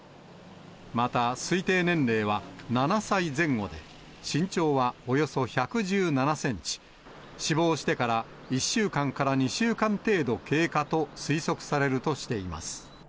また、推定年齢は７歳前後で、身長はおよそ１１７センチ、死亡してから１週間から２週間程度経過と推測されるとしています。